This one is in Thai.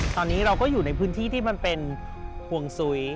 ตอนนี้เราก็อยู่ในพื้นที่ที่มันเป็นห่วงซุ้ย